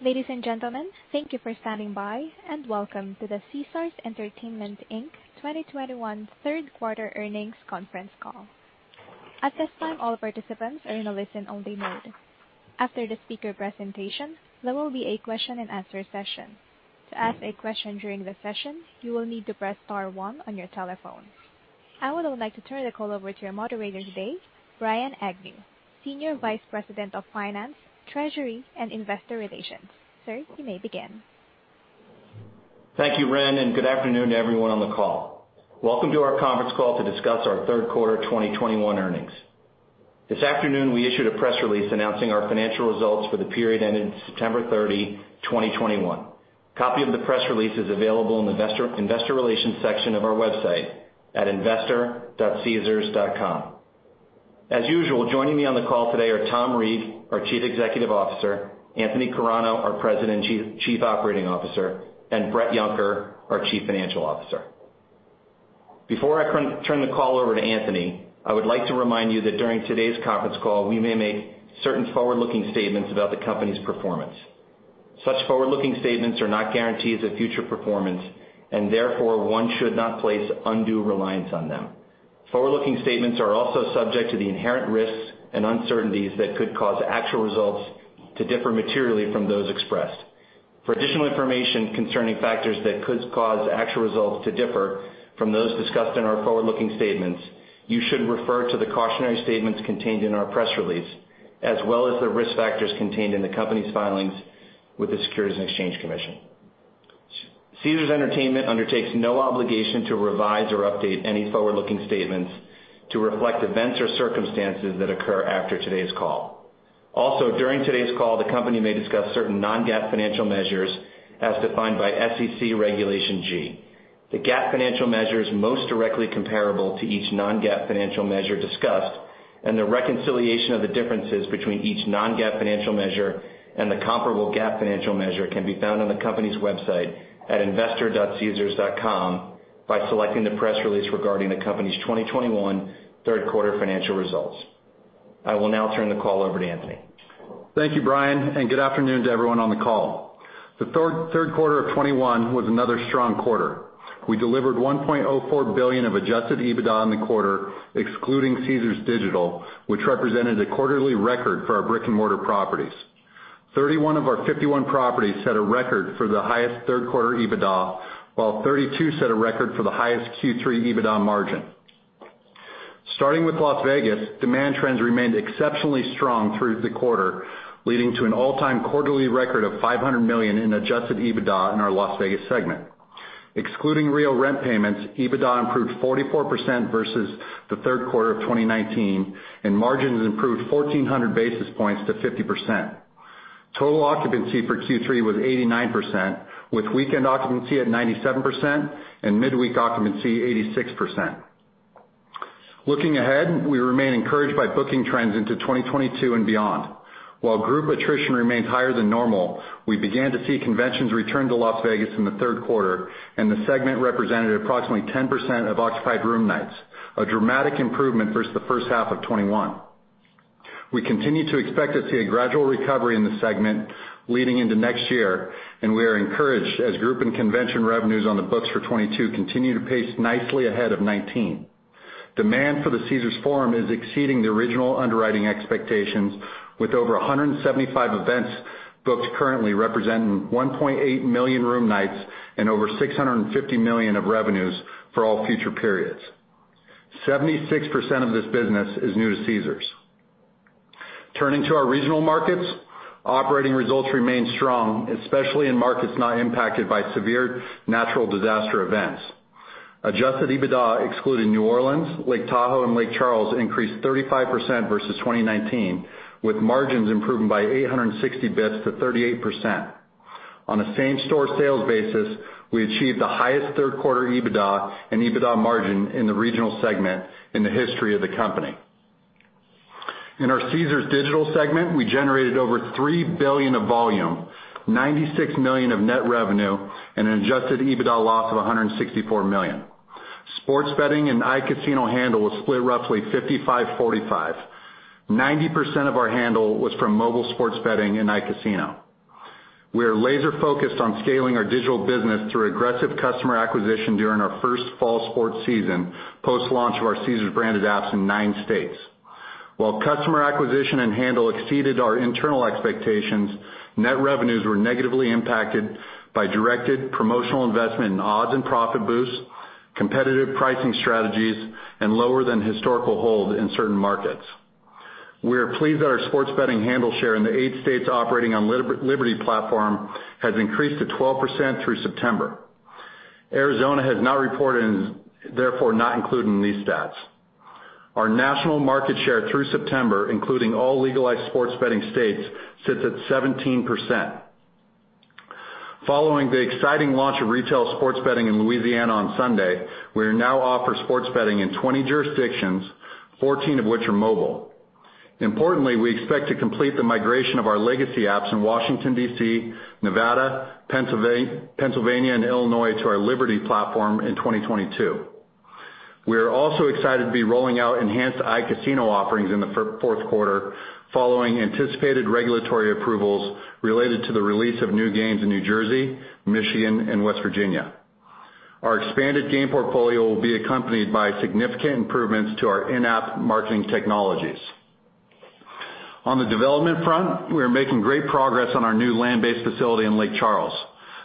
Ladies and gentlemen, thank you for standing by, and welcome to the Caesars Entertainment, Inc. 2021 third quarter earnings conference call. At this time all participants are in a listen-only mode. After the speaker presentation, there will be a question-and-answer session. To ask a question during the session, you will need to press star one on your telephone. I would like to turn the call over to your moderator today, Brian Agnew, Senior Vice President of Finance, Treasury, and Investor Relations. Sir, you may begin. Thank you, Ren, and good afternoon to everyone on the call. Welcome to our conference call to discuss our third quarter 2021 earnings. This afternoon, we issued a press release announcing our financial results for the period ending September 30, 2021. A copy of the press release is available in the investor relations section of our website at investor.caesars.com. As usual, joining me on the call today are Tom Reeg, our Chief Executive Officer, Anthony Carano, our President and Chief Operating Officer, and Bret Yunker, our Chief Financial Officer. Before I turn the call over to Anthony, I would like to remind you that during today's conference call, we may make certain forward-looking statements about the company's performance. Such forward-looking statements are not guarantees of future performance, and therefore one should not place undue reliance on them. Forward-looking statements are also subject to the inherent risks and uncertainties that could cause actual results to differ materially from those expressed. For additional information concerning factors that could cause actual results to differ from those discussed in our forward-looking statements, you should refer to the cautionary statements contained in our press release, as well as the risk factors contained in the company's filings with the Securities and Exchange Commission. Caesars Entertainment undertakes no obligation to revise or update any forward-looking statements to reflect events or circumstances that occur after today's call. Also, during today's call, the company may discuss certain non-GAAP financial measures as defined by SEC Regulation G. The GAAP financial measures most directly comparable to each non-GAAP financial measure discussed, and the reconciliation of the differences between each non-GAAP financial measure and the comparable GAAP financial measure can be found on the company's website at investor.caesars.com by selecting the press release regarding the company's 2021 third quarter financial results. I will now turn the call over to Anthony. Thank you, Brian, and good afternoon to everyone on the call. The third quarter of 2021 was another strong quarter. We delivered $1.04 billion of Adjusted EBITDA in the quarter, excluding Caesars Digital, which represented a quarterly record for our brick-and-mortar properties. 31 of our 51 properties set a record for the highest third quarter EBITDA, while 32 set a record for the highest Q3 EBITDA margin. Starting with Las Vegas, demand trends remained exceptionally strong through the quarter, leading to an all-time quarterly record of $500 million in Adjusted EBITDA in our Las Vegas segment. Excluding real rent payments, EBITDA improved 44% versus the third quarter of 2019, and margins improved 1,400 basis points to 50%. Total occupancy for Q3 was 89%, with weekend occupancy at 97% and midweek occupancy 86%. Looking ahead, we remain encouraged by booking trends into 2022 and beyond. While group attrition remains higher than normal, we began to see conventions return to Las Vegas in the third quarter, and the segment represented approximately 10% of occupied room nights, a dramatic improvement versus the first half of 2021. We continue to expect to see a gradual recovery in the segment leading into next year, and we are encouraged as group and convention revenues on the books for 2022 continue to pace nicely ahead of 2019. Demand for the Caesars Forum is exceeding the original underwriting expectations with over 175 events booked currently, representing 1.8 million room nights and over $650 million of revenues for all future periods. 76% of this business is new to Caesars. Turning to our regional markets, operating results remain strong, especially in markets not impacted by severe natural disaster events. Adjusted EBITDA excluding New Orleans, Lake Tahoe, and Lake Charles increased 35% versus 2019, with margins improving by 860 basis points to 38%. On a same store sales basis, we achieved the highest third quarter EBITDA and EBITDA margin in the regional segment in the history of the company. In our Caesars Digital segment, we generated over $3 billion of volume, $96 million of net revenue, and an Adjusted EBITDA loss of $164 million. Sports betting and iCasino handle was split roughly 55-45. 90% of our handle was from mobile sports betting and iCasino. We are laser-focused on scaling our digital business through aggressive customer acquisition during our first fall sports season, post-launch of our Caesars branded apps in nine states. While customer acquisition and handle exceeded our internal expectations, net revenues were negatively impacted by directed promotional investment in odds and profit boosts, competitive pricing strategies, and lower than historical hold in certain markets. We are pleased that our sports betting handle share in the eight states operating on Liberty platform has increased to 12% through September. Arizona has not reported and therefore not included in these stats. Our national market share through September, including all legalized sports betting states, sits at 17%. Following the exciting launch of retail sports betting in Louisiana on Sunday, we now offer sports betting in 20 jurisdictions, 14 of which are mobile. Importantly, we expect to complete the migration of our legacy apps in Washington, D.C., Nevada, Pennsylvania, and Illinois to our Liberty platform in 2022. We are also excited to be rolling out enhanced iCasino offerings in the fourth quarter following anticipated regulatory approvals related to the release of new games in New Jersey, Michigan and West Virginia. Our expanded game portfolio will be accompanied by significant improvements to our in-app marketing technologies. On the development front, we are making great progress on our new land-based facility in Lake Charles.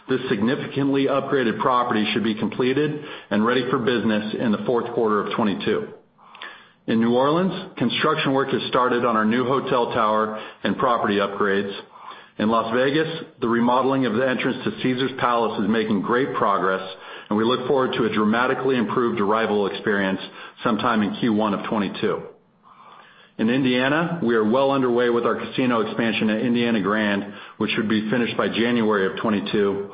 This significantly upgraded property should be completed and ready for business in the fourth quarter of 2022. In New Orleans, construction work has started on our new hotel tower and property upgrades. In Las Vegas, the remodeling of the entrance to Caesars Palace is making great progress, and we look forward to a dramatically improved arrival experience sometime in Q1 of 2022. In Indiana, we are well underway with our casino expansion at Indiana Grand, which should be finished by January of 2022.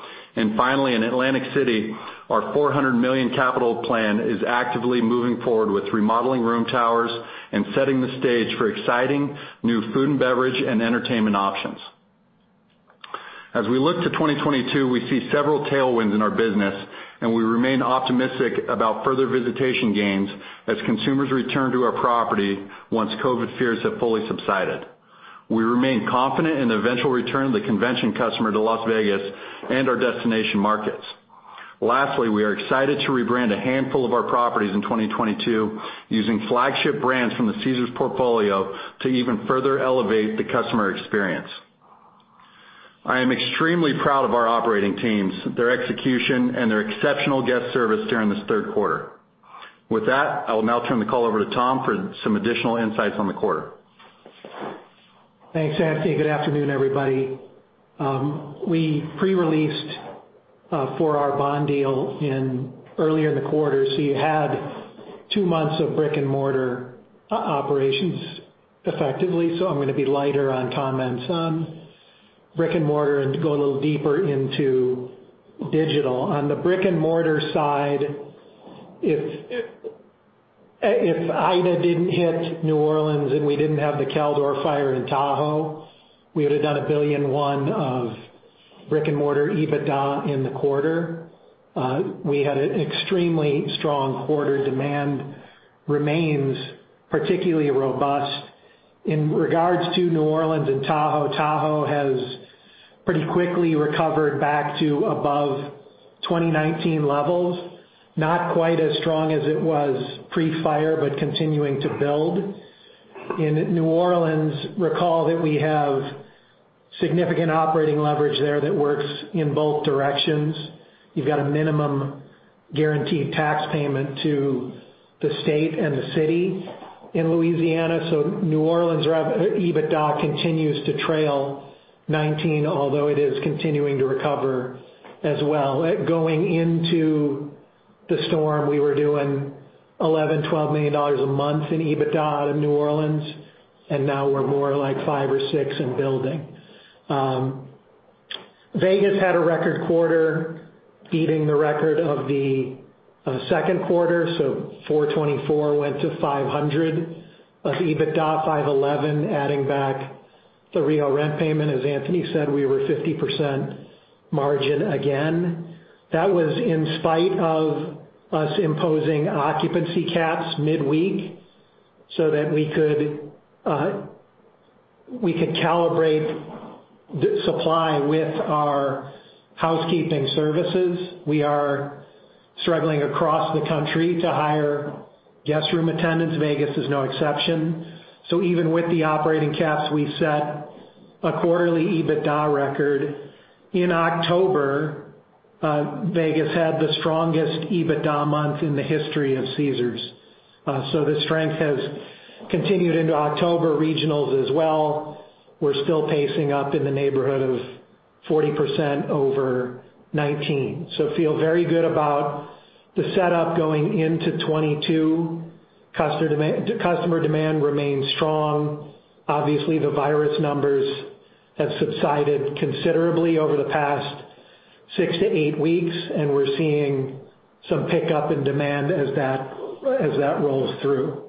Finally, in Atlantic City, our $400 million capital plan is actively moving forward with remodeling room towers and setting the stage for exciting new food and beverage and entertainment options. As we look to 2022, we see several tailwinds in our business, and we remain optimistic about further visitation gains as consumers return to our property once COVID fears have fully subsided. We remain confident in the eventual return of the convention customer to Las Vegas and our destination markets. Lastly, we are excited to rebrand a handful of our properties in 2022 using flagship brands from the Caesars portfolio to even further elevate the customer experience. I am extremely proud of our operating teams, their execution, and their exceptional guest service during this third quarter. With that, I will now turn the call over to Tom for some additional insights on the quarter. Thanks, Anthony. Good afternoon, everybody. We pre-released for our bond deal earlier in the quarter, so you had two months of brick-and-mortar operations effectively. I'm going to be lighter on comments on brick-and-mortar and go a little deeper into digital. On the brick-and-mortar side, if Ida didn't hit New Orleans and we didn't have the Caldor Fire in Tahoe, we would have done $1.1 billion of brick-and-mortar EBITDA in the quarter. We had an extremely strong quarter. Demand remains particularly robust. In regards to New Orleans and Tahoe has pretty quickly recovered back to above 2019 levels, not quite as strong as it was pre-fire, but continuing to build. In New Orleans, recall that we have significant operating leverage there that works in both directions. You've got a minimum guaranteed tax payment to the state and the city in Louisiana. New Orleans EBITDA continues to trail 2019, although it is continuing to recover as well. Going into the storm, we were doing $11 million-$12 million a month in EBITDA out of New Orleans, and now we're more like $5 million-$6 million and building. Vegas had a record quarter, beating the record of the second quarter. $424 million went to $500 million of EBITDA, $511 million adding back the Rio rent payment. As Anthony said, we were 50% margin again. That was in spite of us imposing occupancy caps midweek so that we could calibrate the supply with our housekeeping services. We are struggling across the country to hire guest room attendants. Vegas is no exception. Even with the operating caps, we set a quarterly EBITDA record. In October, Vegas had the strongest EBITDA month in the history of Caesars. The strength has continued into October regionals as well. We're still pacing up in the neighborhood of 40% over 19. Feel very good about the setup going into 2022. Customer demand remains strong. Obviously, the virus numbers have subsided considerably over the past six to eight weeks, and we're seeing some pickup in demand as that rolls through.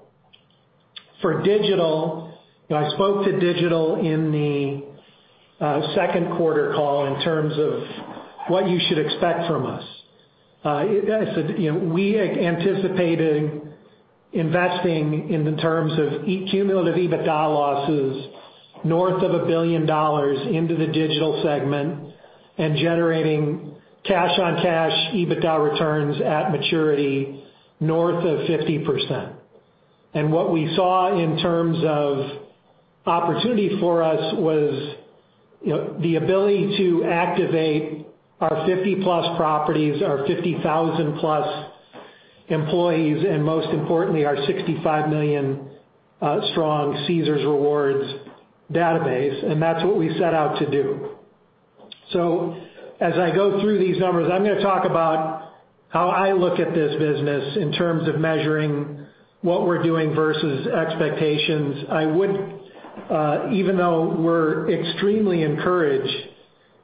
For digital, I spoke to digital in the second quarter call in terms of what you should expect from us. I said, you know, we are anticipating investing in terms of cumulative EBITDA losses north of $1 billion into the digital segment and generating cash-on-cash EBITDA returns at maturity north of 50%. What we saw in terms of opportunity for us was, you know, the ability to activate our 50+ properties, our 50,000+ employees, and most importantly, our 65 million strong Caesars Rewards database, and that's what we set out to do. As I go through these numbers, I'm going to talk about how I look at this business in terms of measuring what we're doing versus expectations. I would, even though we're extremely encouraged,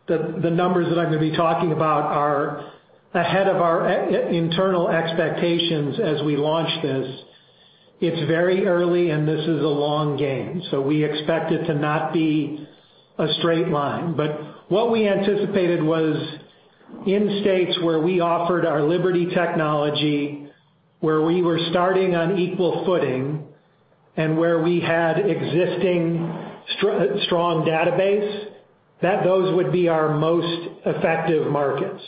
the numbers that I'm going to be talking about are ahead of our internal expectations as we launch this. It's very early and this is a long game, so we expect it to not be a straight line. What we anticipated was in states where we offered our Liberty technology, where we were starting on equal footing and where we had existing strong database, that those would be our most effective markets.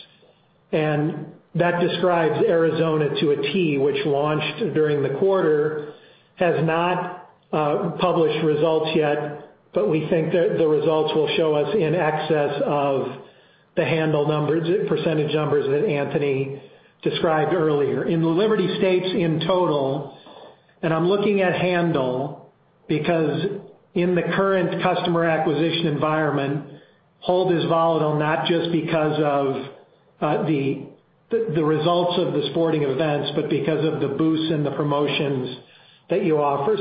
That describes Arizona to a T, which launched during the quarter, has not published results yet, but we think the results will show us in excess of the handle numbers, the percentage numbers that Anthony described earlier. In the Liberty states in total, and I'm looking at handle because in the current customer acquisition environment, hold is volatile, not just because of the results of the sporting events, but because of the boosts and the promotions that you offer.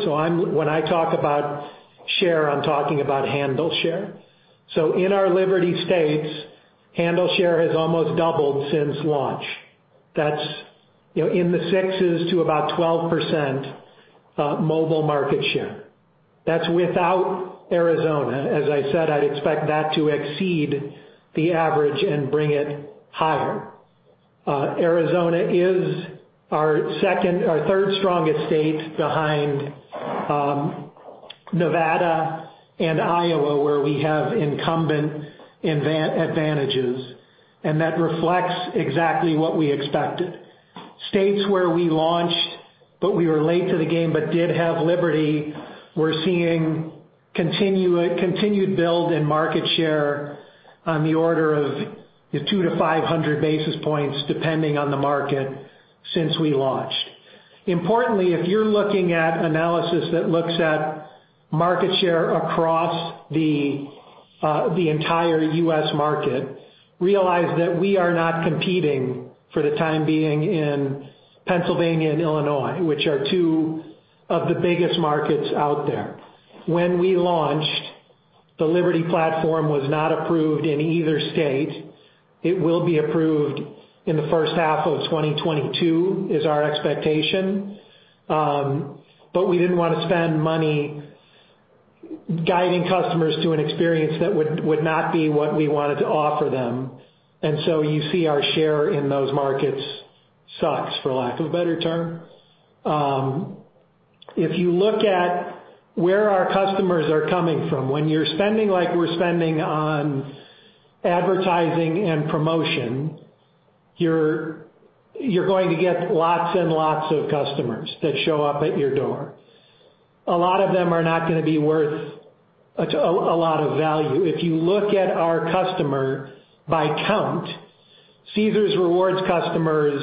When I talk about share, I'm talking about handle share. In our Liberty states, handle share has almost doubled since launch. That's, you know, in the sixs to about 12% mobile market share. That's without Arizona. As I said, I'd expect that to exceed the average and bring it higher. Arizona is our third strongest state behind Nevada and Iowa, where we have incumbent advantages, and that reflects exactly what we expected. States where we launched, but we were late to the game but did have Liberty, we're seeing continued build in market share on the order of 200-500 basis points, depending on the market since we launched. Importantly, if you're looking at analysis that looks at market share across the entire U.S. market, realize that we are not competing for the time being in Pennsylvania and Illinois, which are two of the biggest markets out there. When we launched, the Liberty platform was not approved in either state. It will be approved in the first half of 2022, is our expectation. We didn't want to spend money guiding customers to an experience that would not be what we wanted to offer them. You see our share in those markets sucks, for lack of a better term. If you look at where our customers are coming from. When you're spending like we're spending on advertising and promotion, you're going to get lots and lots of customers that show up at your door. A lot of them are not gonna be worth a lot of value. If you look at our customer count, Caesars Rewards customers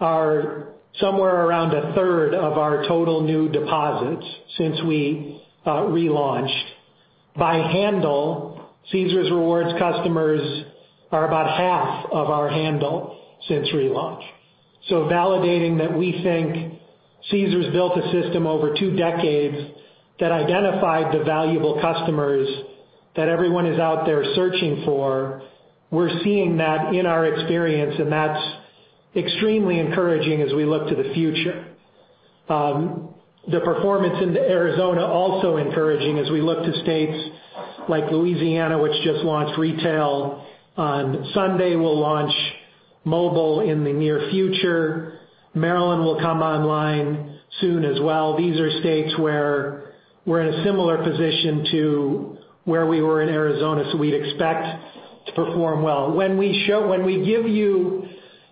are somewhere around a third of our total new deposits since we relaunched. By handle, Caesars Rewards customers are about half of our handle since relaunch. Validating that we think Caesars built a system over two decades that identified the valuable customers that everyone is out there searching for, we're seeing that in our experience, and that's extremely encouraging as we look to the future. The performance in Arizona also encouraging as we look to states like Louisiana, which just launched retail on Sunday. We'll launch mobile in the near future. Maryland will come online soon as well. These are states where we're in a similar position to where we were in Arizona, so we'd expect to perform well. When we give you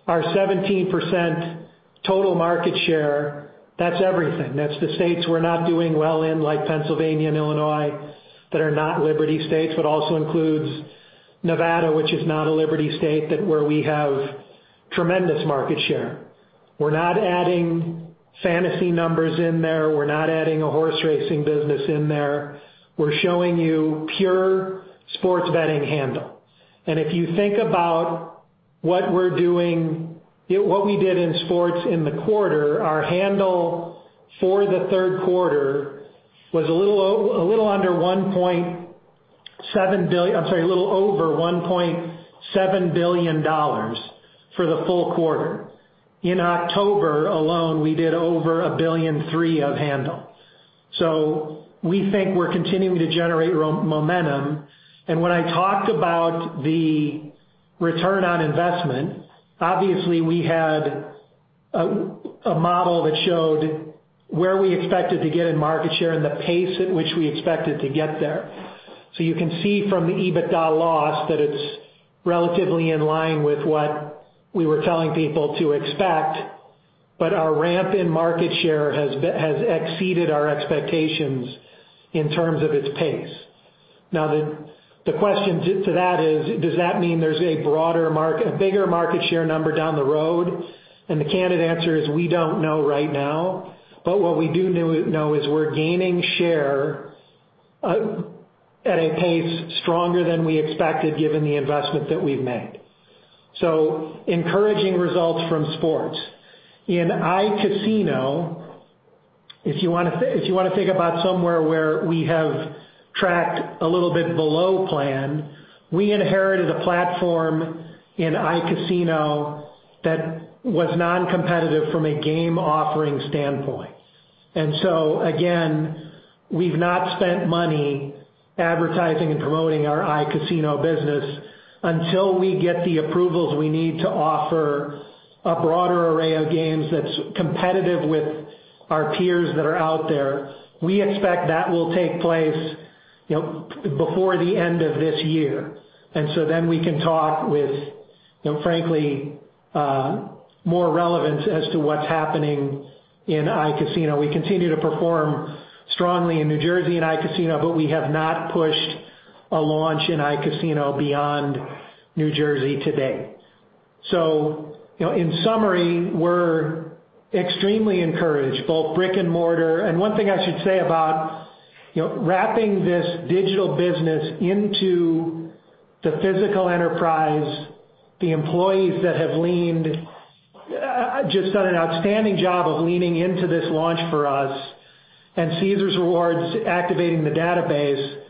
our 17% total market share, that's everything. That's the states we're not doing well in, like Pennsylvania and Illinois, that are not Liberty states, but also includes Nevada, which is not a Liberty state, that where we have tremendous market share. We're not adding fantasy numbers in there. We're not adding a horse racing business in there. We're showing you pure sports betting handle. If you think about what we're doing, what we did in sports in the quarter, our handle for the third quarter was a little over $1.7 billion for the full quarter. In October alone, we did over $1.3 billion of handle. We think we're continuing to generate momentum. When I talked about the return on investment, obviously we had a model that showed where we expected to get in market share and the pace at which we expected to get there. You can see from the EBITDA loss that it's relatively in line with what we were telling people to expect, but our ramp in market share has exceeded our expectations in terms of its pace. The question to that is, does that mean there's a broader market, a bigger market share number down the road? The candid answer is we don't know right now. What we do know is we're gaining share at a pace stronger than we expected, given the investment that we've made. Encouraging results from sports. In iCasino, if you wanna think about somewhere where we have tracked a little bit below plan, we inherited a platform in iCasino that was non-competitive from a game offering standpoint. Again, we've not spent money advertising and promoting our iCasino business until we get the approvals we need to offer a broader array of games that's competitive with our peers that are out there. We expect that will take place, you know, before the end of this year. We can talk with, you know, frankly, more relevance as to what's happening in iCasino. We continue to perform strongly in New Jersey in iCasino, but we have not pushed a launch in iCasino beyond New Jersey today. In summary, we're extremely encouraged, both brick-and-mortar. One thing I should say about, you know, wrapping this digital business into the physical enterprise, the employees that have just done an outstanding job of leaning into this launch for us and Caesars Rewards activating the database.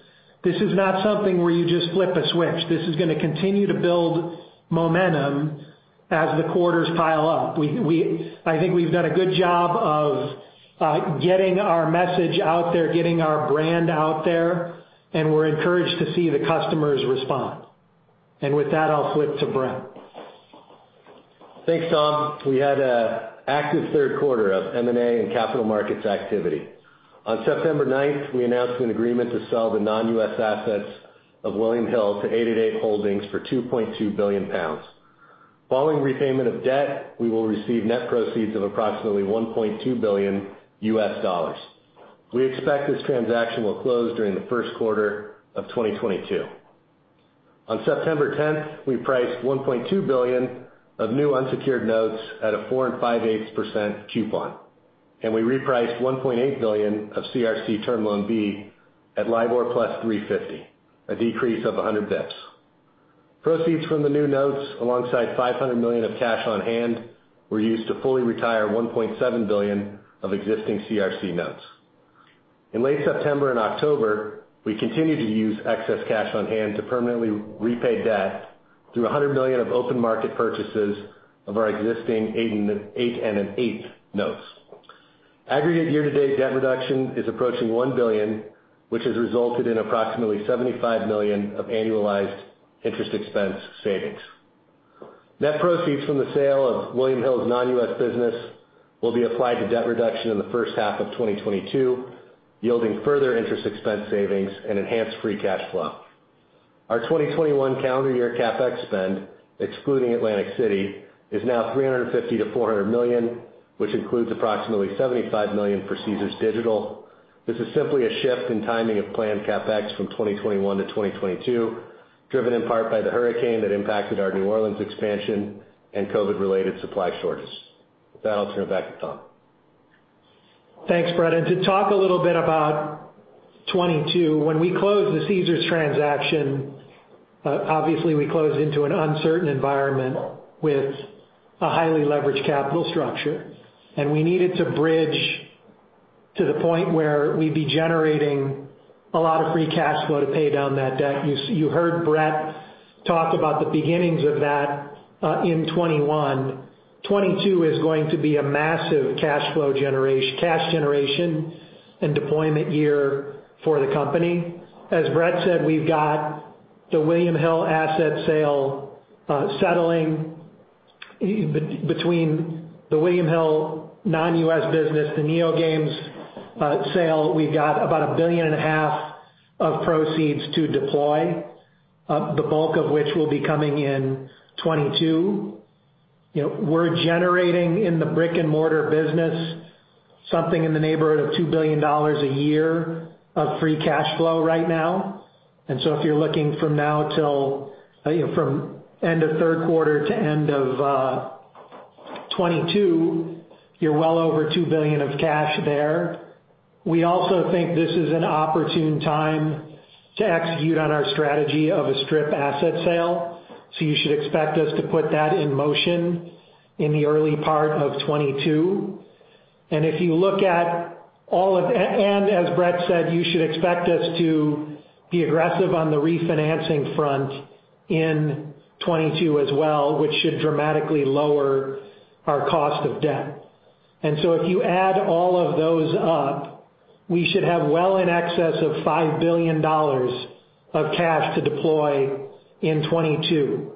This is not something where you just flip a switch. This is gonna continue to build momentum as the quarters pile up. I think we've done a good job of getting our message out there, getting our brand out there, and we're encouraged to see the customers respond. With that, I'll flip to Bret. Thanks, Tom. We had an active third quarter of M&A and capital markets activity. On September 9th, we announced an agreement to sell the non-U.S. assets of William Hill to 888 Holdings for 2.2 billion pounds. Following repayment of debt, we will receive net proceeds of approximately $1.2 billion. We expect this transaction will close during the first quarter of 2022. On September 10th, we priced $1.2 billion of new unsecured notes at a 4.58% coupon, and we repriced $1.8 billion of CRC Term Loan B at LIBOR plus 350, a decrease of 100 basis points. Proceeds from the new notes, alongside $500 million of cash on hand, were used to fully retire $1.7 billion of existing CRC Notes. In late September and October, we continued to use excess cash on hand to permanently repay debt through $100 million of open market purchases of our existing 8.125% notes. Aggregate year-to-date debt reduction is approaching $1 billion, which has resulted in approximately $75 million of annualized interest expense savings. Net proceeds from the sale of William Hill's non-U.S. business will be applied to debt reduction in the first half of 2022, yielding further interest expense savings and enhanced free cash flow. Our 2021 calendar year CapEx spend, excluding Atlantic City, is now $350 million-$400 million, which includes approximately $75 million for Caesars Digital. This is simply a shift in timing of planned CapEx from 2021 to 2022, driven in part by the hurricane that impacted our New Orleans expansion and COVID-related supply shortage. With that, I'll turn it back to Tom. Thanks, Brett. To talk a little bit about 2022. When we closed the Caesars transaction, obviously, we closed into an uncertain environment with a highly leveraged capital structure, and we needed to bridge to the point where we'd be generating a lot of free cash flow to pay down that debt. You heard Brett talk about the beginnings of that in 2021. 2022 is going to be a massive cash flow generation, cash generation and deployment year for the company. As Brett said, we've got the William Hill asset sale settling. Between the William Hill non-U.S. business, the NeoGames sale, we've got about $1.5 billion of proceeds to deploy, the bulk of which will be coming in 2022. You know, we're generating in the brick-and-mortar business something in the neighborhood of $2 billion a year of free cash flow right now. If you're looking from now till, you know, from end of third quarter to end of 2022, you're well over $2 billion of cash there. We also think this is an opportune time to execute on our strategy of a strip asset sale, so you should expect us to put that in motion in the early part of 2022. As Brett said, you should expect us to be aggressive on the refinancing front in 2022 as well, which should dramatically lower our cost of debt. If you add all of those up, we should have well in excess of $5 billion of cash to deploy in 2022.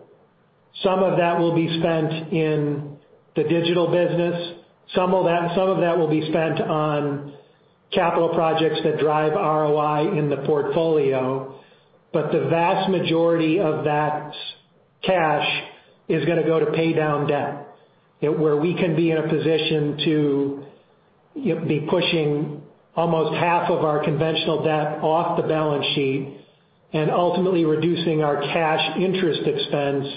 Some of that will be spent in the digital business. Some of that will be spent on capital projects that drive ROI in the portfolio. The vast majority of that cash is gonna go to pay down debt where we can be in a position to, you know, be pushing almost half of our conventional debt off the balance sheet and ultimately reducing our cash interest expense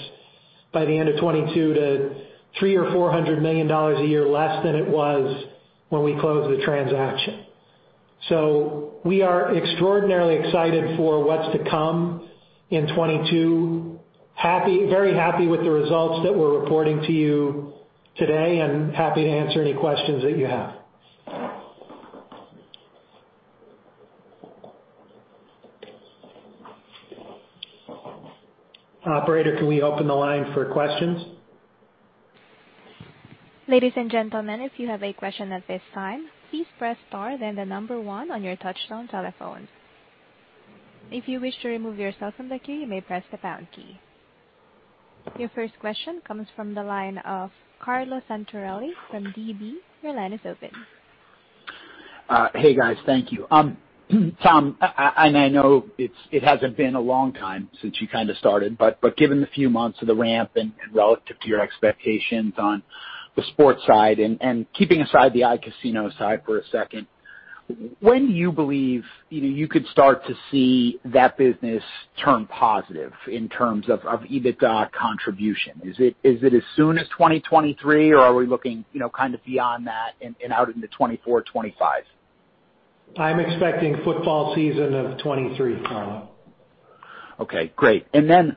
by the end of 2022 to $300 million-$400 million a year, less than it was when we closed the transaction. We are extraordinarily excited for what's to come in 2022. We are happy, very happy with the results that we're reporting to you today, and happy to answer any questions that you have. Operator, can we open the line for questions? Ladies and gentlemen, if you have a question at this time, please press star then the number one on your touchtone telephone. If you wish to remove yourself from the queue, you may press the pound key. Your first question comes from the line of Carlo Santarelli from DB. Your line is open. Hey, guys. Thank you. Tom, and I know it hasn't been a long time since you kinda started, but given the few months of the ramp and relative to your expectations on the sports side and keeping aside the iCasino side for a second, when do you believe, you know, you could start to see that business turn positive in terms of EBITDA contribution? Is it as soon as 2023, or are we looking, you know, kind of beyond that and out into 2024, 2025? I'm expecting football season of 2023, Carlo. Okay. Great. Then,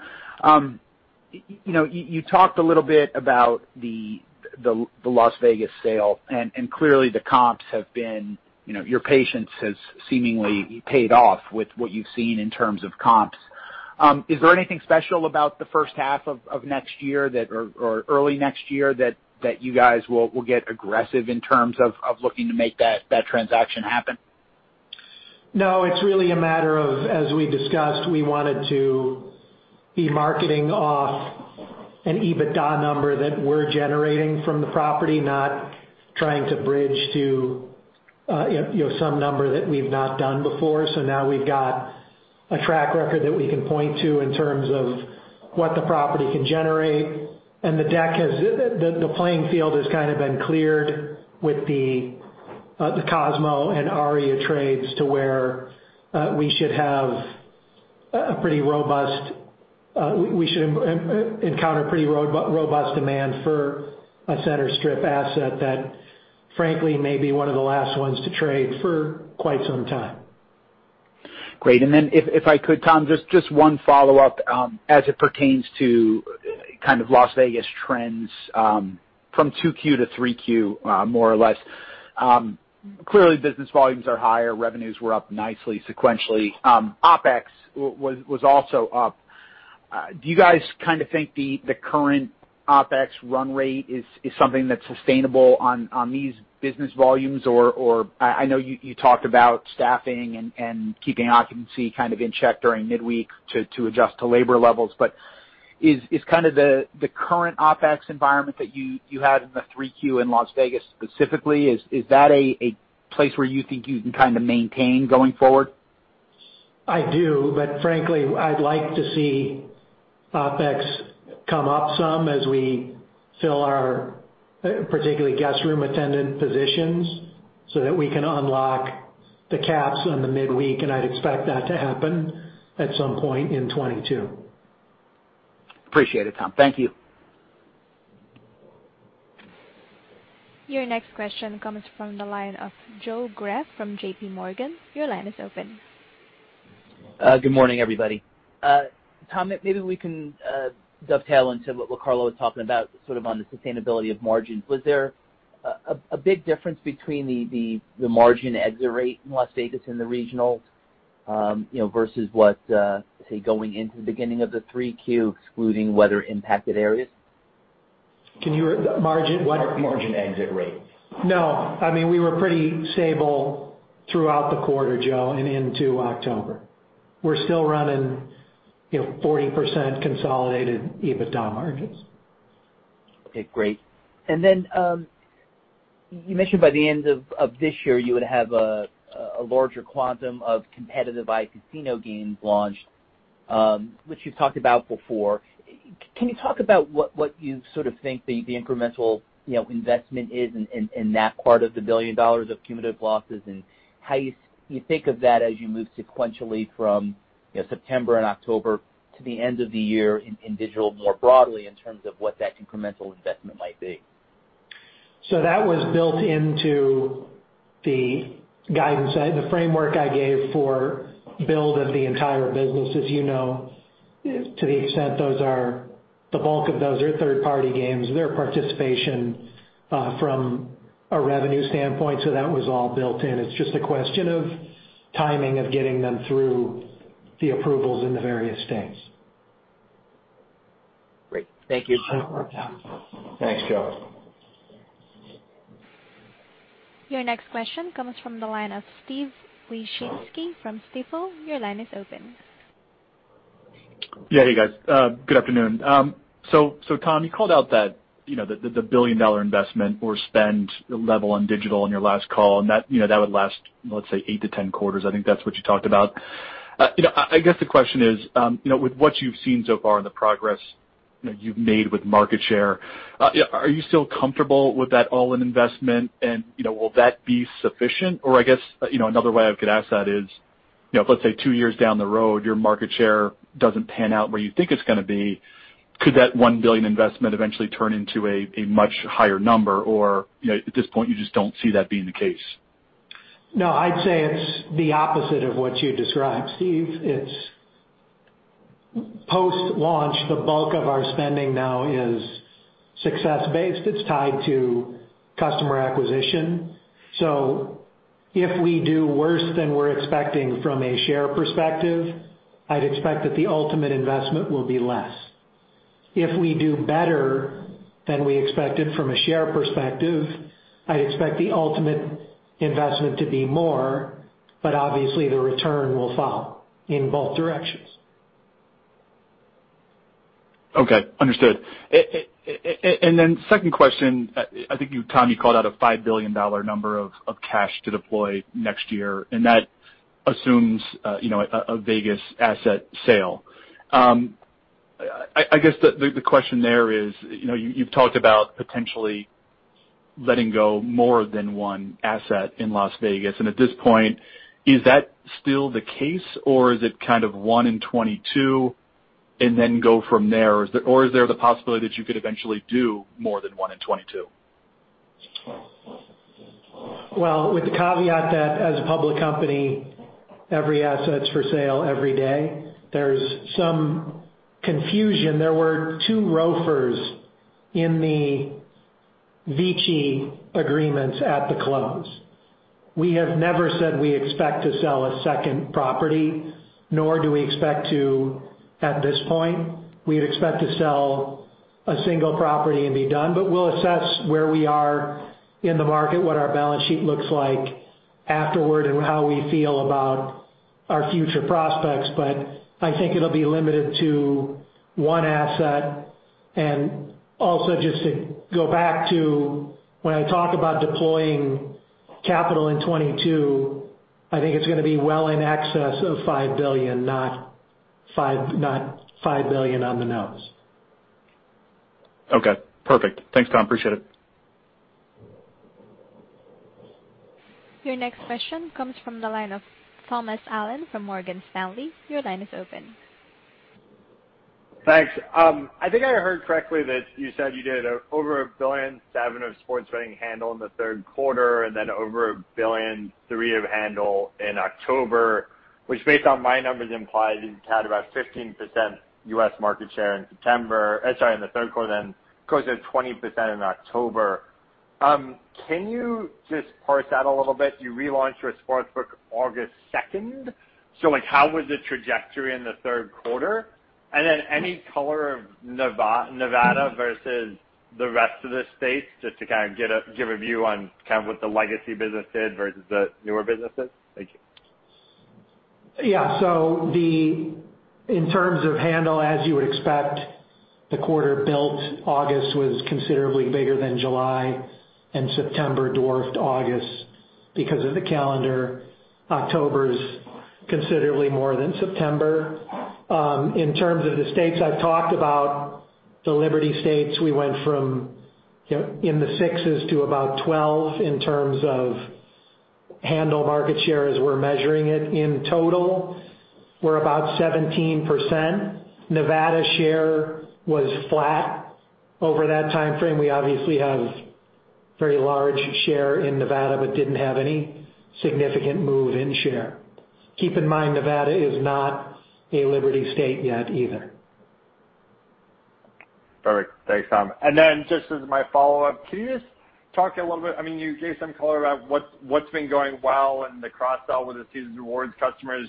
you know, you talked a little bit about the Las Vegas sale, and clearly the comps have been, you know, your patience has seemingly paid off with what you've seen in terms of comps. Is there anything special about the first half of next year that or early next year that you guys will get aggressive in terms of looking to make that transaction happen? No. It's really a matter of, as we discussed, we wanted to be marketing off an EBITDA number that we're generating from the property, not trying to bridge to, you know, some number that we've not done before. So now we've got a track record that we can point to in terms of what the property can generate. The playing field has kind of been cleared with the Cosmo and Aria trades to where we should have a pretty robust demand for a center strip asset that, frankly, may be one of the last ones to trade for quite some time. Great. If I could, Tom, just one follow-up, as it pertains to kind of Las Vegas trends, from 2Q to 3Q, more or less. Clearly business volumes are higher. Revenues were up nicely sequentially. OpEx was also up. Do you guys kind of think the current OpEx run rate is something that's sustainable on these business volumes? Or I know you talked about staffing and keeping occupancy kind of in check during midweek to adjust to labor levels. But is kind of the current OpEx environment that you had in 3Q in Las Vegas specifically, is that a place where you think you can kind of maintain going forward? I do, but frankly, I'd like to see OpEx come up some as we fill our, particularly guest room attendant positions so that we can unlock the caps on the midweek, and I'd expect that to happen at some point in 2022. Appreciate it, Tom. Thank you. Your next question comes from the line of Joe Greff from JPMorgan. Your line is open. Good morning, everybody. Tom, maybe we can dovetail into what Carlo was talking about, sort of on the sustainability of margins. Was there a big difference between the margin exit rate in Las Vegas and the regionals, you know, versus what, say, going into the beginning of the Q3, excluding weather impacted areas? Margin, what? Margin exit rate. No. I mean, we were pretty stable throughout the quarter, Joe, and into October. We're still running, you know, 40% consolidated EBITDA margins. Okay, great. You mentioned by the end of this year you would have a larger quantum of competitive iCasino games launched, which you've talked about before. Can you talk about what you sort of think the incremental, you know, investment is in that part of the $1 billion of cumulative losses, and how you think of that as you move sequentially from, you know, September and October to the end of the year in digital more broadly in terms of what that incremental investment might be? That was built into the guidance, the framework I gave for the build-out of the entire business. As you know, to the extent the bulk of those are third-party games, their participation from a revenue standpoint. That was all built in. It's just a question of timing of getting them through the approvals in the various states. Great. Thank you. Yeah. Thanks, Joe. Your next question comes from the line of Steven Wieczynski from Stifel. Your line is open. Yeah. Hey, guys. Good afternoon. Tom, you called out that, you know, the billion-dollar investment or spend level on digital on your last call, and that, you know, that would last, let's say, eight to 10 quarters. I think that's what you talked about. You know, I guess the question is, you know, with what you've seen so far in the progress, you know, you've made with market share, are you still comfortable with that all-in investment? And, you know, will that be sufficient? I guess, you know, another way I could ask that is, you know, let's say two years down the road, your market share doesn't pan out where you think it's gonna be, could that $1 billion investment eventually turn into a much higher number? you know, at this point, you just don't see that being the case? No, I'd say it's the opposite of what you described, Steve. It's post-launch, the bulk of our spending now is success based, it's tied to customer acquisition. So if we do worse than we're expecting from a share perspective, I'd expect that the ultimate investment will be less. If we do better than we expected from a share perspective, I'd expect the ultimate investment to be more, but obviously, the return will fall in both directions. Okay. Understood. Second question. I think you, Tom, you called out a $5 billion number of cash to deploy next year, and that assumes you know a Vegas asset sale. I guess the question there is, you know, you've talked about potentially letting go more than one asset in Las Vegas, and at this point, is that still the case, or is it kind of one in 2022 and then go from there? Or is there the possibility that you could eventually do more than one in 2022? Well, with the caveat that as a public company, every asset's for sale every day, there's some confusion. There were two ROFRs in the VICI agreements at the close. We have never said we expect to sell a second property, nor do we expect to at this point. We'd expect to sell a single property and be done, but we'll assess where we are in the market, what our balance sheet looks like afterward, and how we feel about our future prospects. But I think it'll be limited to one asset. Just to go back to when I talk about deploying capital in 2022, I think it's gonna be well in excess of $5 billion, not five, not $5 billion on the nose. Okay. Perfect. Thanks, Tom. Appreciate it. Your next question comes from the line of Thomas Allen from Morgan Stanley. Your line is open. Thanks. I think I heard correctly that you said you did over $1.7 billion of sports betting handle in the third quarter and then over $1.3 billion of handle in October, which based on my numbers, implies you've had about 15% U.S. market share in the third quarter, then close to 20% in October. Can you just parse that a little bit? You relaunched your sports book August 2nd. Like, how was the trajectory in the third quarter? Any color on Nevada versus the rest of the states, just to kind of give a view on kind of what the legacy business did versus the newer businesses? Thank you. In terms of handle, as you would expect, Q3 but August was considerably bigger than July, and September dwarfed August because of the calendar. October is considerably more than September. In terms of the states, I've talked about the Liberty States. We went from, you know, in the sixes to about 12 in terms of handle market share as we're measuring it. In total, we're about 17%. Nevada share was flat over that timeframe. We obviously have very large share in Nevada, but didn't have any significant move in share. Keep in mind, Nevada is not a Liberty State yet either. Perfect. Thanks, Tom. Just as my follow-up, can you just talk a little bit, I mean, you gave some color about what's been going well in the cross-sell with the Caesars Rewards customers.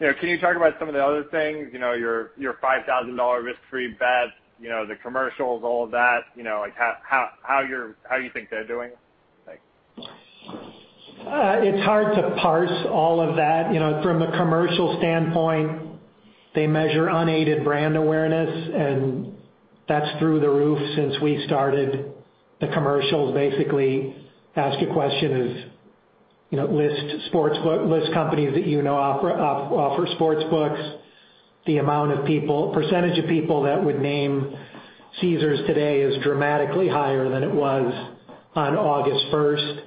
You know, can you talk about some of the other things? You know, your $5,000 risk-free bet, you know, the commercials, all of that, you know, like how you think they're doing? Thanks. It's hard to parse all of that. You know, from a commercial standpoint, they measure unaided brand awareness, and that's through the roof since we started. The commercials basically ask a question of, you know, list companies that you know offer sportsbooks. The percentage of people that would name Caesars today is dramatically higher than it was on August first.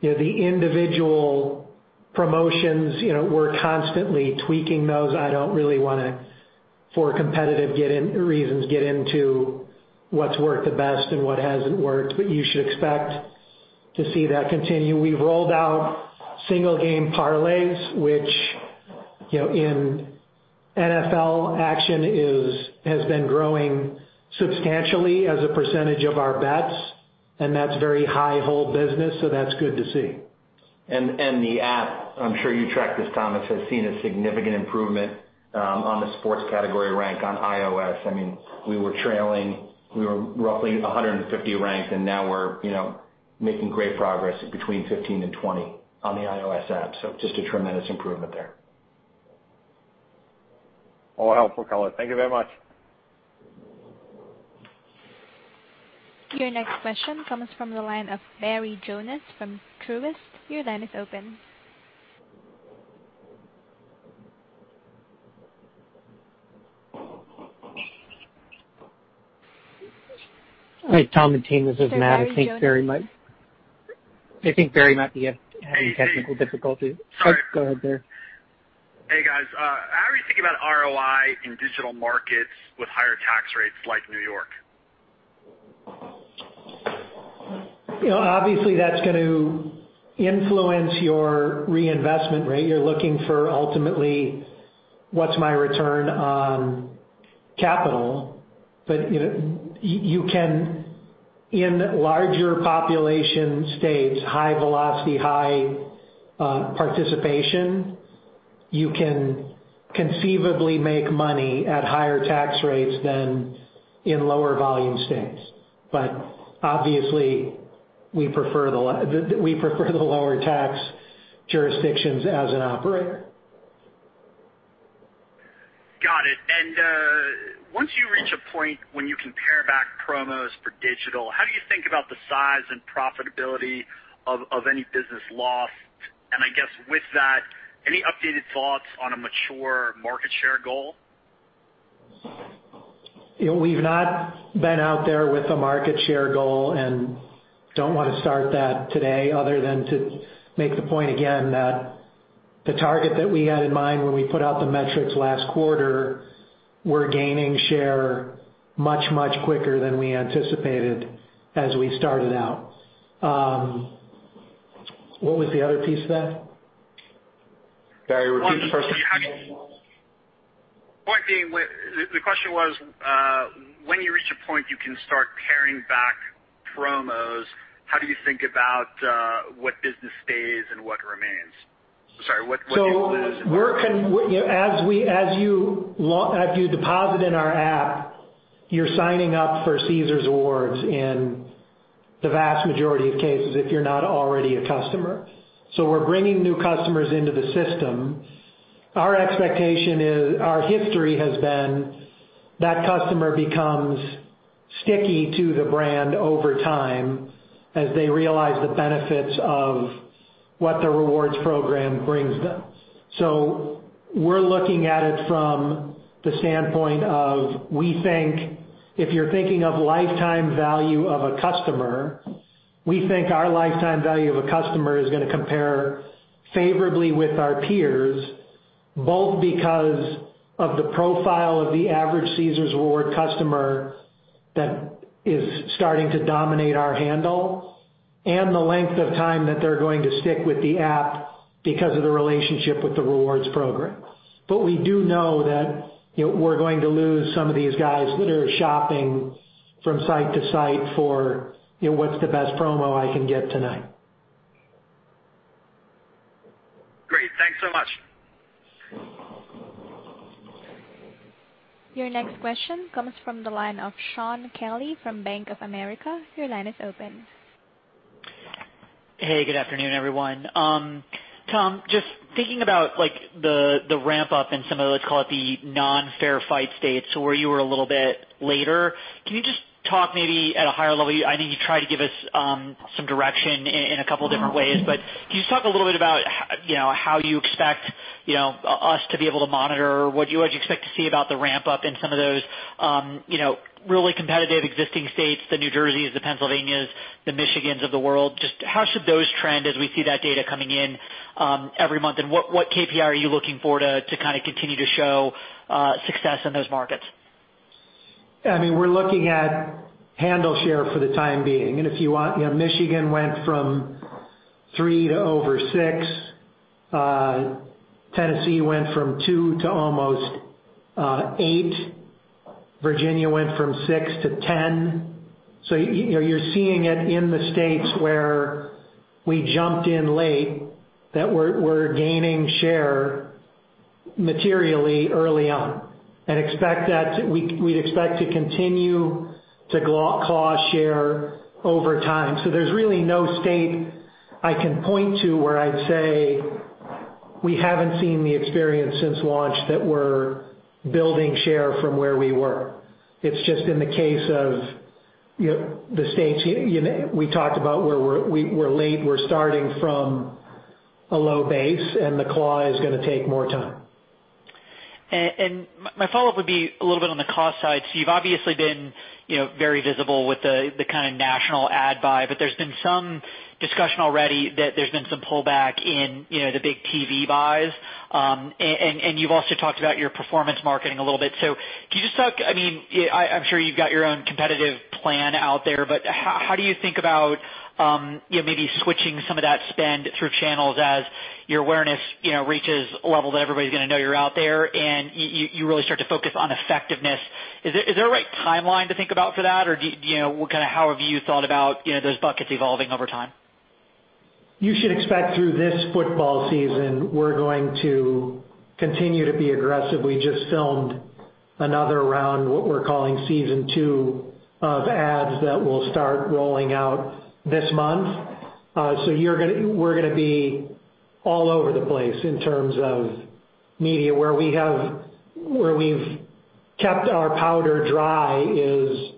You know, the individual promotions, you know, we're constantly tweaking those. I don't really wanna, for competitive reasons, get into what's worked the best and what hasn't worked, but you should expect to see that continue. We've rolled out single game parlays, which, you know, in NFL action has been growing substantially as a percentage of our bets, and that's very high hold business, so that's good to see. The app, I'm sure you tracked this, Thomas, has seen a significant improvement on the sports category rank on iOS. I mean, we were roughly 150 ranked, and now we're, you know, making great progress between 15 and 20 on the iOS app. Just a tremendous improvement there. All helpful color. Thank you very much. Your next question comes from the line of Barry Jonas from Truist. Your line is open. Hi, Tom and team. This is Matt. Barry Jonas. I think Barry might be having technical difficulties. Sorry. Go ahead, Barry. Hey, guys. How are you thinking about ROI in digital markets with higher tax rates like New York? You know, obviously that's going to influence your reinvestment rate. You're looking for ultimately what's my return on capital. You know, you can in larger population states, high velocity, high participation, you can conceivably make money at higher tax rates than in lower volume states. Obviously, we prefer the lower tax jurisdictions as an operator. Got it. Once you reach a point when you can pare back promos for digital, how do you think about the size and profitability of any business lost? I guess with that, any updated thoughts on a mature market share goal? You know, we've not been out there with a market share goal and don't want to start that today other than to make the point again that the target that we had in mind when we put out the metrics last quarter. We're gaining share much, much quicker than we anticipated as we started out. What was the other piece of that? Barry, repeat the first part. Point being, the question was, when you reach a point you can start paring back promos, how do you think about what business stays and what remains? Sorry, what you lose. You know, as you deposit in our app, you're signing up for Caesars Rewards in the vast majority of cases, if you're not already a customer. We're bringing new customers into the system. Our history has been that customer becomes sticky to the brand over time as they realize the benefits of what the rewards program brings them. We're looking at it from the standpoint of we think if you're thinking of lifetime value of a customer, we think our lifetime value of a customer is going to compare favorably with our peers, both because of the profile of the average Caesars Rewards customer that is starting to dominate our handle and the length of time that they're going to stick with the app because of the relationship with the rewards program. We do know that, you know, we're going to lose some of these guys that are shopping from site to site for, you know, what's the best promo I can get tonight. Great. Thanks so much. Your next question comes from the line of Shaun Kelley from Bank of America. Your line is open. Hey, good afternoon, everyone. Tom, just thinking about the ramp up in some of let's call it the non-fair fight states where you were a little bit later, can you just talk maybe at a higher level? I know you tried to give us some direction in a couple of different ways, but can you just talk a little bit about you know, how you expect, you know, us to be able to monitor? What do you expect to see about the ramp up in some of those, you know, really competitive existing states, the New Jersey's, the Pennsylvania's, the Michigan's of the world? Just how should those trend as we see that data coming in every month? What KPI are you looking for to kind of continue to show success in those markets? I mean, we're looking at handle share for the time being. If you want, you know, Michigan went from 3% to over 6%. Tennessee went from 2% to almost 8%. Virginia went from 6% to 10%. You know, you're seeing it in the states where we jumped in late that we're gaining share materially early on and expect that we'd expect to continue to claw share over time. There's really no state I can point to where I'd say we haven't seen the experience since launch that we're building share from where we were. It's just in the case of, you know, the states, you know, we talked about where we're late, we're starting from a low base, and the claw is gonna take more time. My follow-up would be a little bit on the cost side. You've obviously been, you know, very visible with the kind of national ad buy, but there's been some discussion already that there's been some pullback in, you know, the big TV buys. You've also talked about your performance marketing a little bit. Can you just talk. I mean, I'm sure you've got your own competitive plan out there, but how do you think about, you know, maybe switching some of that spend through channels as your awareness, you know, reaches a level that everybody's gonna know you're out there and you really start to focus on effectiveness? Is there a right timeline to think about for that? Do you know, kind of, how have you thought about, you know, those buckets evolving over time? You should expect through this football season, we're going to continue to be aggressive. We just filmed another round, what we're calling season two of ads that will start rolling out this month. So we're gonna be all over the place in terms of media. Where we've kept our powder dry is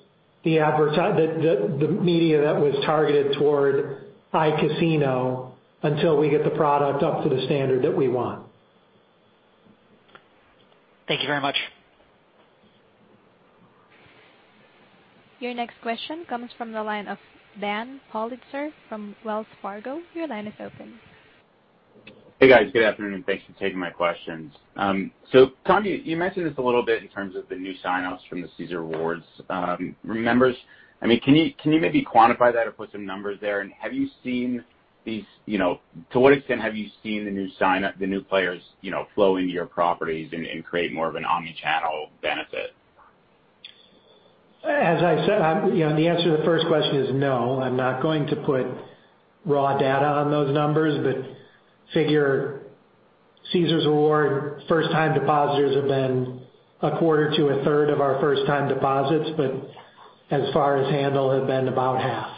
the media that was targeted toward iCasino until we get the product up to the standard that we want. Thank you very much. Your next question comes from the line of Daniel Politzer from Wells Fargo. Your line is open. Hey guys, good afternoon, and thanks for taking my questions. So Tommy, you mentioned this a little bit in terms of the new sign-ups from the Caesars Rewards members. I mean, can you maybe quantify that or put some numbers there? And have you seen these, you know, to what extent have you seen the new sign-ups, the new players, you know, flow into your properties and create more of an omni-channel benefit? As I said, you know, the answer to the first question is no. I'm not going to put raw data on those numbers. Figure Caesars Rewards first-time depositors have been a quarter to a third of our first-time deposits, but as far as handle have been about half.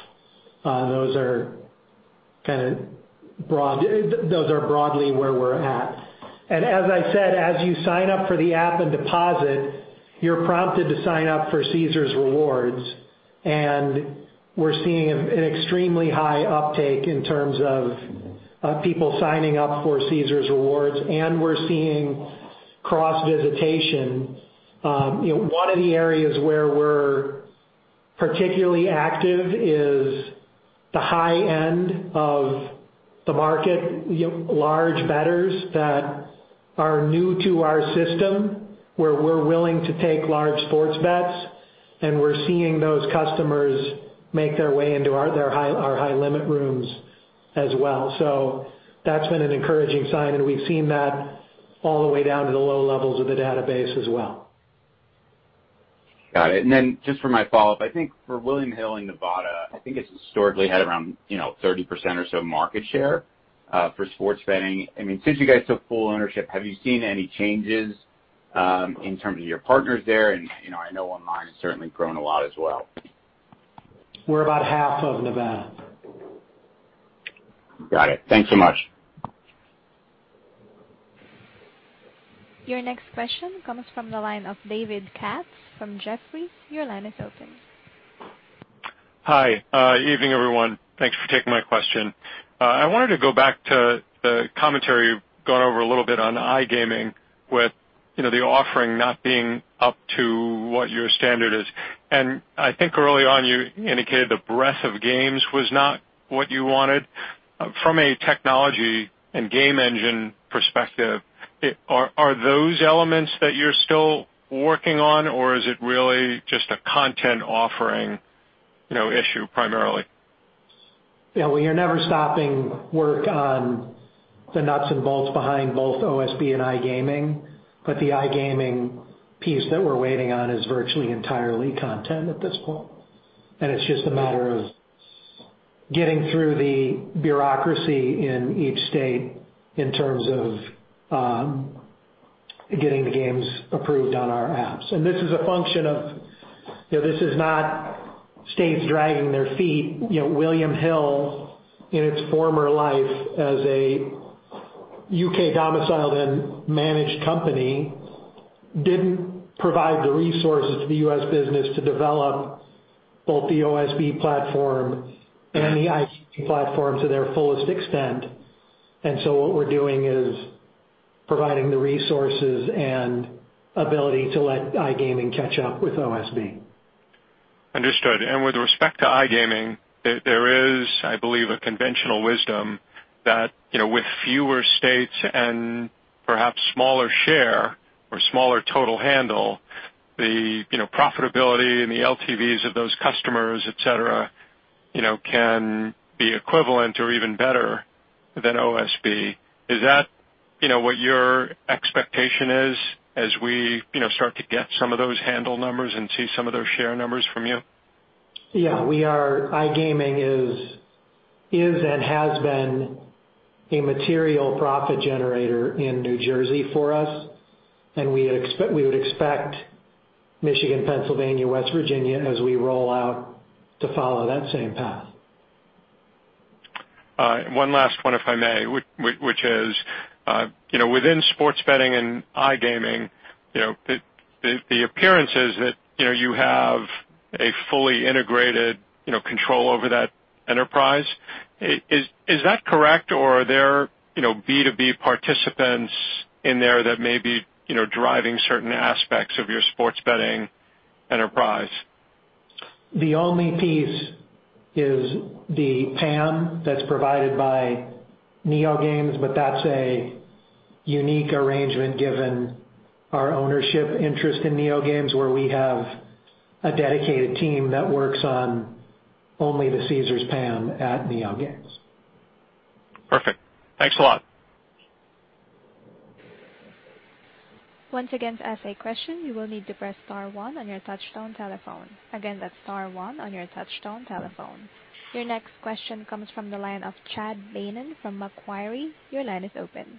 Those are kind of broad. Those are broadly where we're at. As I said, as you sign up for the app and deposit, you're prompted to sign up for Caesars Rewards. We're seeing an extremely high uptake in terms of people signing up for Caesars Rewards, and we're seeing cross-visitation. You know, one of the areas where we're particularly active is the high end of the market, large bettors that are new to our system, where we're willing to take large sports bets, and we're seeing those customers make their way into our high limit rooms as well. That's been an encouraging sign, and we've seen that all the way down to the low levels of the database as well. Got it. Just for my follow-up, I think for William Hill in Nevada, I think it's historically had around, you know, 30% or so market share for sports betting. I mean, since you guys took full ownership, have you seen any changes in terms of your partners there? You know, I know online has certainly grown a lot as well. We're about half of Nevada. Got it. Thanks so much. Your next question comes from the line of David Katz from Jefferies. Your line is open. Hi. Evening, everyone. Thanks for taking my question. I wanted to go back to the commentary going over a little bit on iGaming with, you know, the offering not being up to what your standard is. I think early on you indicated the breadth of games was not what you wanted. From a technology and game engine perspective, are those elements that you're still working on, or is it really just a content offering, you know, issue primarily? Yeah, we are never stopping work on the nuts and bolts behind both OSB and iGaming, but the iGaming piece that we're waiting on is virtually entirely content at this point. It's just a matter of getting through the bureaucracy in each state in terms of getting the games approved on our apps. This is a function of, you know, this is not states dragging their feet. You know, William Hill in its former life as a U.K. domiciled and managed company, didn't provide the resources to the U.S. business to develop both the OSB platform and the iGaming platform to their fullest extent. What we're doing is providing the resources and ability to let iGaming catch up with OSB. Understood. With respect to iGaming, there is, I believe, a conventional wisdom that, you know, with fewer states and perhaps smaller share or smaller total handle, the, you know, profitability and the LTVs of those customers, et cetera, you know, can be equivalent or even better than OSB. Is that, you know, what your expectation is as we, you know, start to get some of those handle numbers and see some of those share numbers from you? Yeah. iGaming is and has been a material profit generator in New Jersey for us, and we would expect Michigan, Pennsylvania, West Virginia as we roll out to follow that same path. One last one if I may, which is, you know, within sports betting and iGaming, you know, the appearance is that, you know, you have a fully integrated, you know, control over that enterprise. Is that correct, or are there, you know, B2B participants in there that may be, you know, driving certain aspects of your sports betting enterprise? The only piece is the PAM that's provided by NeoGames, but that's a unique arrangement given our ownership interest in NeoGames, where we have a dedicated team that works on only the Caesars PAM at NeoGames. Perfect. Thanks a lot. Your next question comes from the line of Chad Beynon from Macquarie. Your line is open.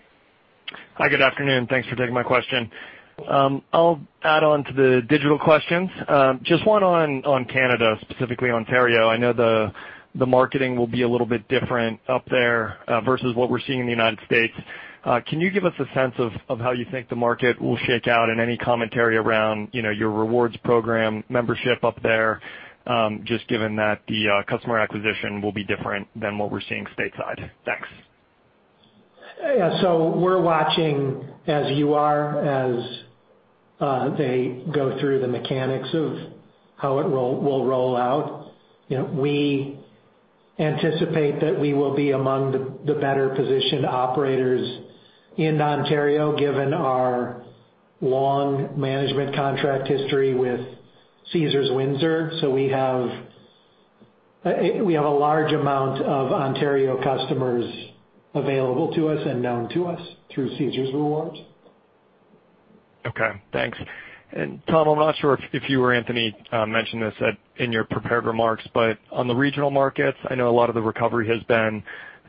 Hi, good afternoon. Thanks for taking my question. I'll add on to the digital questions. Just one on Canada, specifically Ontario. I know the marketing will be a little bit different up there versus what we're seeing in the United States. Can you give us a sense of how you think the market will shake out and any commentary around, you know, your rewards program membership up there, just given that the customer acquisition will be different than what we're seeing stateside? Thanks. Yeah. We're watching as you are, as they go through the mechanics of how it will roll out. You know, we anticipate that we will be among the better positioned operators in Ontario given our long management contract history with Caesars Windsor. We have a large amount of Ontario customers available to us and known to us through Caesars Rewards. Okay, thanks. Tom, I'm not sure if you or Anthony mentioned this in your prepared remarks, but on the regional markets, I know a lot of the recovery has been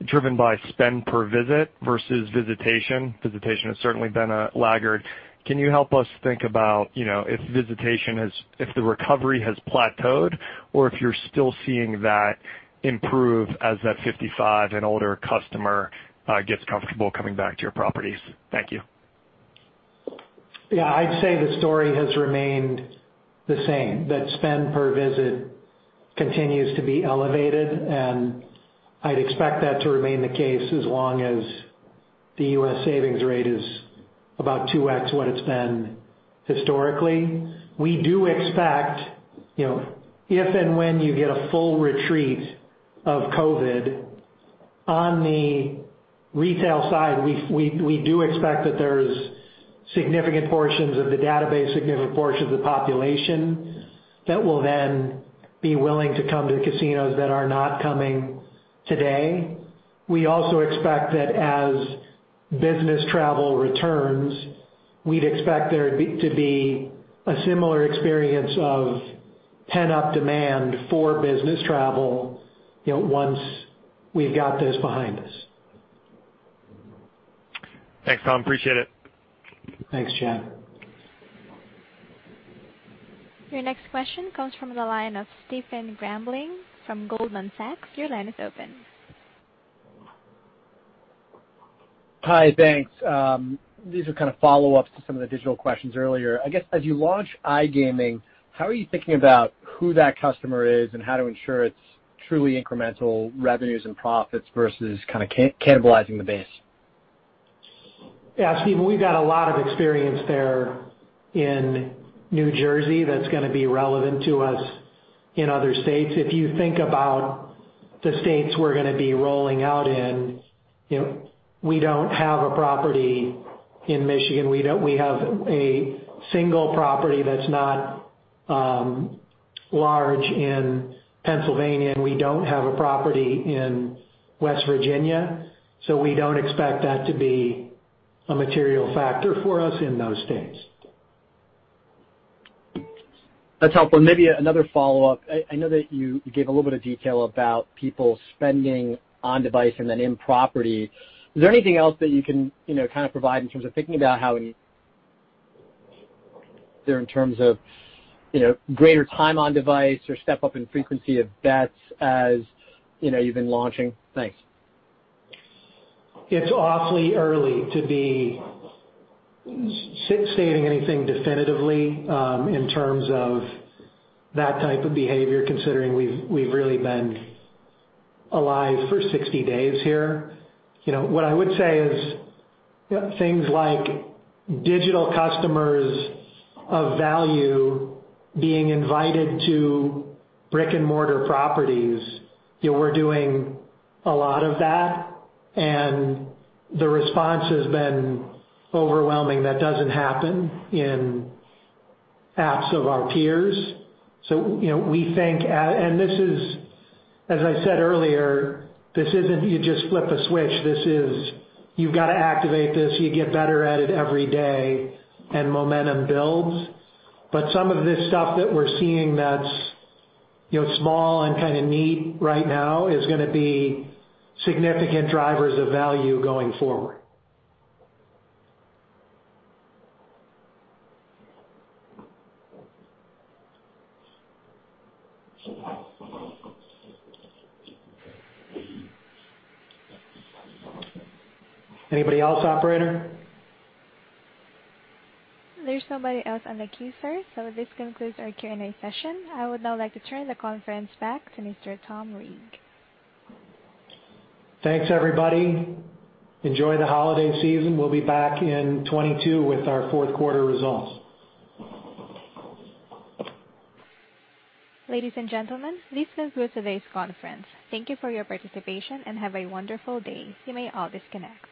driven by spend per visit versus visitation. Visitation has certainly been a laggard. Can you help us think about, you know, if the recovery has plateaued or if you're still seeing that improve as that 55 and older customer gets comfortable coming back to your properties? Thank you. Yeah. I'd say the story has remained the same, that spend per visit continues to be elevated, and I'd expect that to remain the case as long as the U.S. savings rate is about 2x what it's been historically. We do expect, you know, if and when you get a full retreat of COVID on the retail side, we do expect that there's significant portions of the database, significant portion of the population that will then be willing to come to the casinos that are not coming today. We also expect that as business travel returns, we'd expect there to be a similar experience of pent-up demand for business travel, you know, once we've got this behind us. Thanks, Tom. I appreciate it. Thanks, Chad. Your next question comes from the line of Stephen Grambling from Morgan Stanley. Your line is open. Hi. Thanks. These are kind of follow-ups to some of the digital questions earlier. I guess, as you launch iGaming, how are you thinking about who that customer is and how to ensure it's truly incremental revenues and profits versus kind of cannibalizing the base? Yeah. Stephen, we've got a lot of experience there in New Jersey that's gonna be relevant to us in other states. If you think about the states we're gonna be rolling out in, you know, we don't have a property in Michigan. We have a single property that's not large in Pennsylvania, and we don't have a property in West Virginia. So we don't expect that to be a material factor for us in those states. That's helpful. Maybe another follow-up. I know that you gave a little bit of detail about people spending on device and then in property. Is there anything else that you can, you know, kind of provide in terms of thinking about how they're in terms of, you know, greater time on device or step up in frequency of bets as, you know, you've been launching? Thanks. It's awfully early to be stating anything definitively in terms of that type of behavior, considering we've really been alive for 60 days here. You know, what I would say is things like digital customers of value being invited to brick-and-mortar properties, you know, we're doing a lot of that, and the response has been overwhelming. That doesn't happen in apps of our peers. You know, we think, and this is, as I said earlier, this isn't you just flip a switch. This is, you've gotta activate this. You get better at it every day, and momentum builds. But some of this stuff that we're seeing that's, you know, small and kind of neat right now is gonna be significant drivers of value going forward. Anybody else, operator? There's nobody else on the queue, sir. This concludes our Q&A session. I would now like to turn the conference back to Mr. Tom Reeg. Thanks, everybody. Enjoy the holiday season. We'll be back in 2022 with our fourth quarter results. Ladies and gentlemen, this concludes today's conference. Thank you for your participation, and have a wonderful day. You may all disconnect.